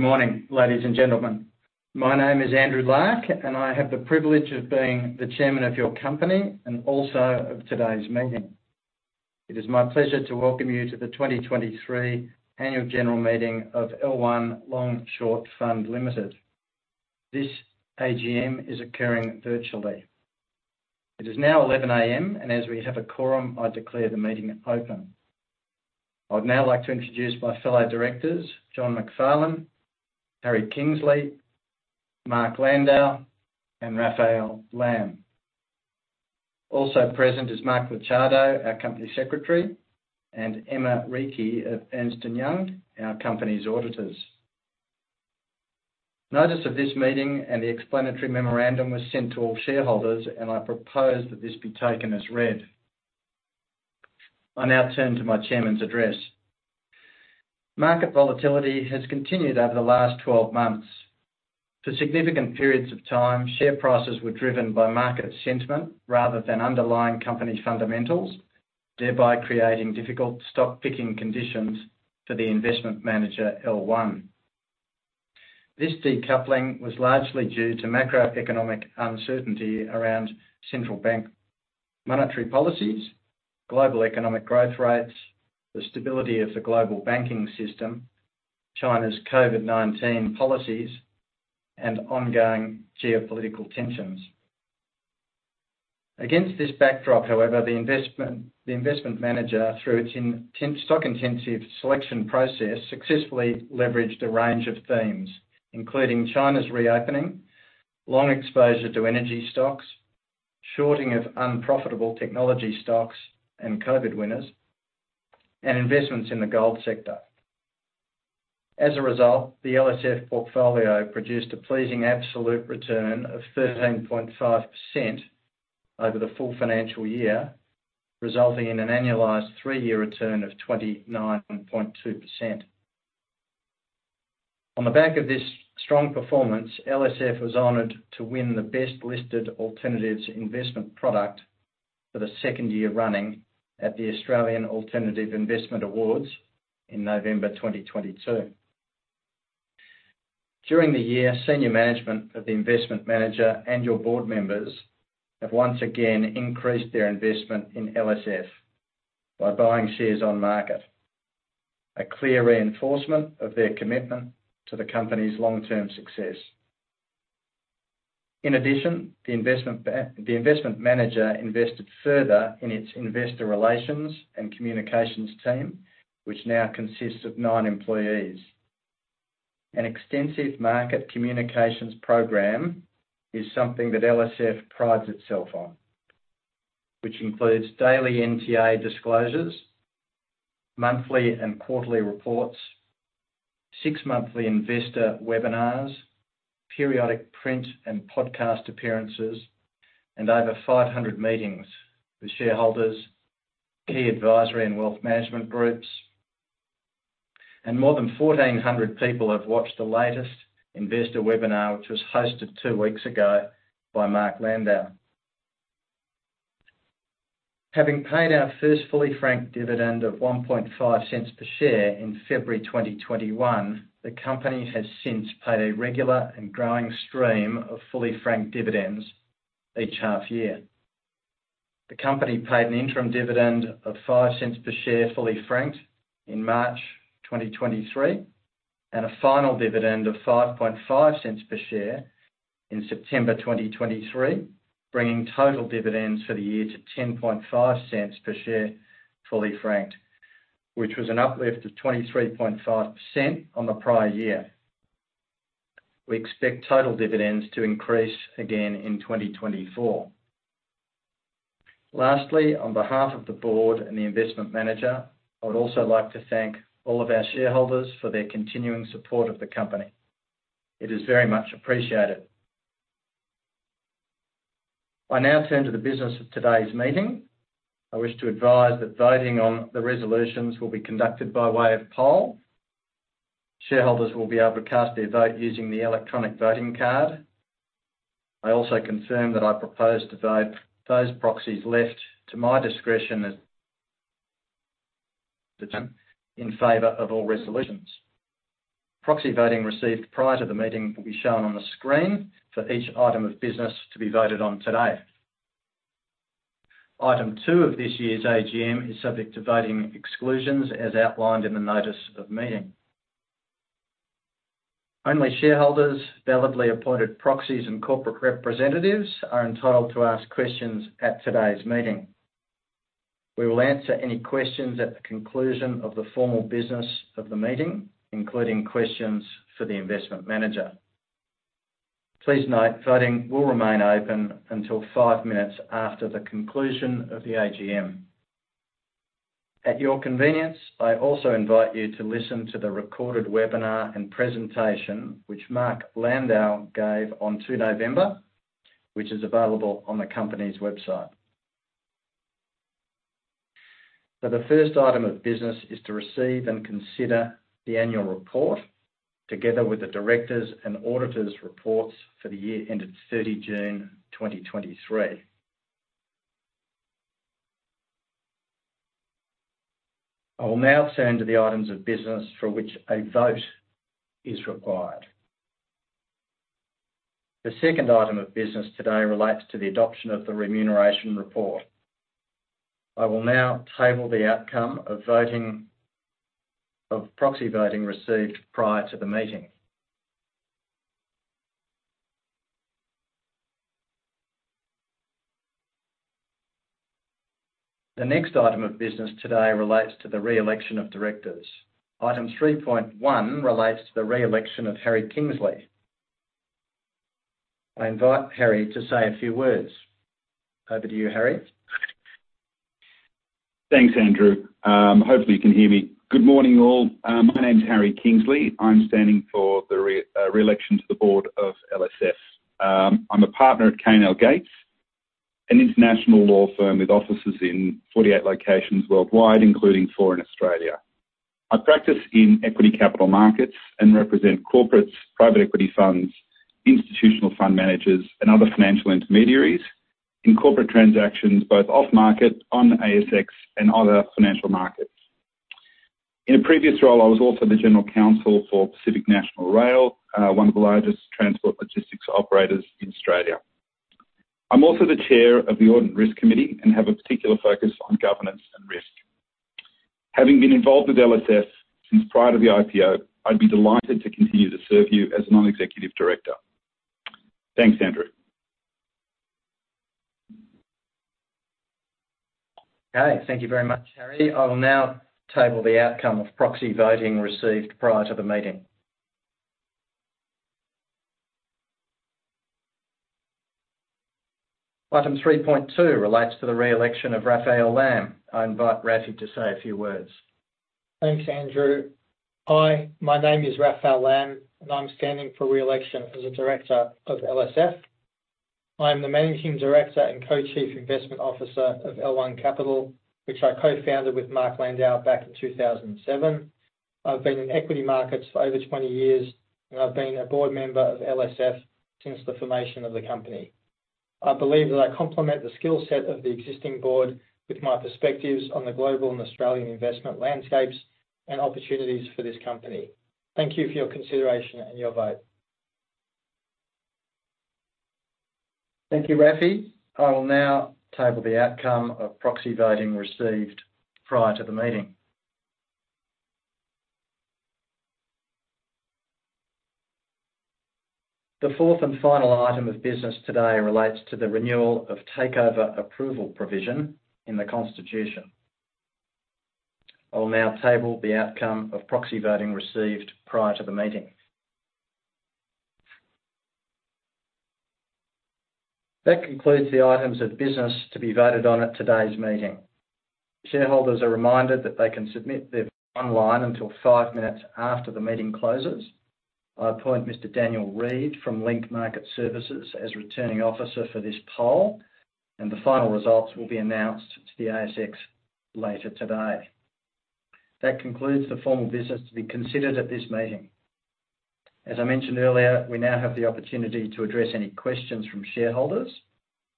Good morning, ladies and gentlemen. My name is Andrew Larke, and I have the privilege of being the chairman of your company and also of today's meeting. It is my pleasure to welcome you to the 2023 Annual General Meeting of L1 Long Short Fund Limited. This AGM is occurring virtually. It is now 11:00 A.M., and as we have a quorum, I declare the meeting open. I'd now like to introduce my fellow directors, John Macfarlane, Harry Kingsley, Mark Landau, and Raphael Lamm. Also present is Mark Machado, our company secretary, and Emma Reekie of Ernst & Young, our company's auditors. Notice of this meeting and the explanatory memorandum was sent to all shareholders, and I propose that this be taken as read. I now turn to my chairman's address. Market volatility has continued over the last 12 months. For significant periods of time, share prices were driven by market sentiment rather than underlying company fundamentals, thereby creating difficult stock-picking conditions for the investment manager, L1. This decoupling was largely due to macroeconomic uncertainty around central bank monetary policies, global economic growth rates, the stability of the global banking system, China's COVID-19 policies, and ongoing geopolitical tensions. Against this backdrop, however, the investment manager, through its intensive stock selection process, successfully leveraged a range of themes, including China's reopening, long exposure to energy stocks, shorting of unprofitable technology stocks and COVID winners, and investments in the gold sector. As a result, the LSF portfolio produced a pleasing absolute return of 13.5% over the full financial year, resulting in an annualized three-year return of 29.2%. On the back of this strong performance, LSF was honored to win the Best Listed Alternative Investment Product for the second year running at the Australian Alternative Investment Awards in November 2022. During the year, senior management of the investment manager and your board members have once again increased their investment in LSF by buying shares on market, a clear reinforcement of their commitment to the company's long-term success. In addition, the investment manager invested further in its investor relations and communications team, which now consists of nine employees. An extensive market communications program is something that LSF prides itself on, which includes daily NTA disclosures, monthly and quarterly reports, six-monthly investor webinars, periodic print and podcast appearances, and over 500 meetings with shareholders, key advisory and wealth management groups. More than 1,400 people have watched the latest investor webinar, which was hosted two weeks ago by Mark Landau. Having paid our first fully franked dividend of 0.015 per share in February 2021, the company has since paid a regular and growing stream of fully franked dividends each half year. The company paid an interim dividend of 0.05 per share, fully franked, in March 2023, and a final dividend of 0.055 per share in September 2023, bringing total dividends for the year to 0.105 per share, fully franked, which was an uplift of 23.5% on the prior year. We expect total dividends to increase again in 2024. Lastly, on behalf of the board and the investment manager, I would also like to thank all of our shareholders for their continuing support of the company. It is very much appreciated. I now turn to the business of today's meeting. I wish to advise that voting on the resolutions will be conducted by way of poll. Shareholders will be able to cast their vote using the electronic voting card. I also confirm that I propose to vote those proxies left to my discretion as in favor of all resolutions. Proxy voting received prior to the meeting will be shown on the screen for each item of business to be voted on today. Item two of this year's AGM is subject to voting exclusions, as outlined in the notice of meeting. Only shareholders, validly appointed proxies, and corporate representatives are entitled to ask questions at today's meeting. We will answer any questions at the conclusion of the formal business of the meeting, including questions for the investment manager. Please note, voting will remain open until 5 minutes after the conclusion of the AGM. At your convenience, I also invite you to listen to the recorded webinar and presentation, which Mark Landau gave on 2 November, which is available on the company's website. The first item of business is to receive and consider the annual report, together with the directors' and auditors' reports for the year ended 30 June 2023.... I will now turn to the items of business for which a vote is required. The second item of business today relates to the adoption of the remuneration report. I will now table the outcome of voting, of proxy voting received prior to the meeting. The next item of business today relates to the re-election of directors. Item three point one relates to the re-election of Harry Kingsley. I invite Harry to say a few words. Over to you, Harry. Thanks, Andrew. Hopefully you can hear me. Good morning, all. My name is Harry Kingsley. I'm standing for the re-election to the board of LSF. I'm a partner at K&L Gates, an international law firm with offices in 48 locations worldwide, including 4 in Australia. I practice in equity capital markets and represent corporates, private equity funds, institutional fund managers, and other financial intermediaries in corporate transactions, both off market, on ASX, and other financial markets. In a previous role, I was also the general counsel for Pacific National Rail, one of the largest transport logistics operators in Australia. I'm also the chair of the Audit and Risk Committee and have a particular focus on governance and risk. Having been involved with LSF since prior to the IPO, I'd be delighted to continue to serve you as a non-executive director. Thanks, Andrew. Okay, thank you very much, Harry. I will now table the outcome of proxy voting received prior to the meeting. Item 3.2 relates to the re-election of Raphael Lamm. I invite Raffi to say a few words. Thanks, Andrew. Hi, my name is Raphael Lamm, and I'm standing for re-election as a director of LSF. I am the Managing Director and Co-Chief Investment Officer of L1 Capital, which I co-founded with Mark Landau back in 2007. I've been in equity markets for over 20 years, and I've been a board member of LSF since the formation of the company. I believe that I complement the skill set of the existing board with my perspectives on the global and Australian investment landscapes and opportunities for this company. Thank you for your consideration and your vote. Thank you, Raffi. I will now table the outcome of proxy voting received prior to the meeting. The fourth and final item of business today relates to the renewal of takeover approval provision in the constitution. I'll now table the outcome of proxy voting received prior to the meeting. That concludes the items of business to be voted on at today's meeting. Shareholders are reminded that they can submit their online until five minutes after the meeting closes. I appoint Mr. Daniel Reid from Link Market Services as Returning Officer for this poll, and the final results will be announced to the ASX later today. That concludes the formal business to be considered at this meeting. As I mentioned earlier, we now have the opportunity to address any questions from shareholders,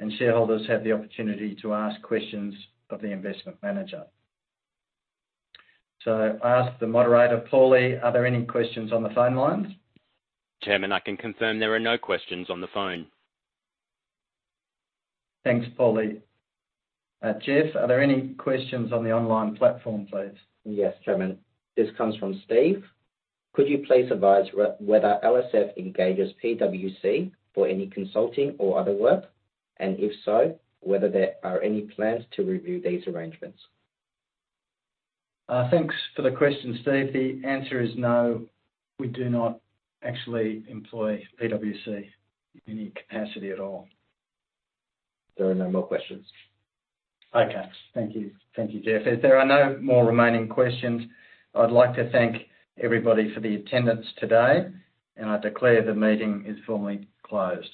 and shareholders have the opportunity to ask questions of the investment manager. So I ask the moderator, Paulie, are there any questions on the phone lines? Chairman, I can confirm there are no questions on the phone. Thanks, Paulie. Jeff, are there any questions on the online platform, please? Yes, Chairman. This comes from Steve. Could you please advise whether LSF engages PwC for any consulting or other work, and if so, whether there are any plans to review these arrangements? Thanks for the question, Steve. The answer is no, we do not actually employ PwC in any capacity at all. There are no more questions. Okay. Thank you. Thank you, Jeff. As there are no more remaining questions, I'd like to thank everybody for the attendance today, and I declare the meeting is formally closed.